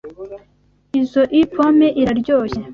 Izoi pome iraryoshye.